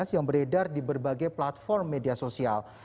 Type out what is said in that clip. yang beredar di berbagai platform media sosial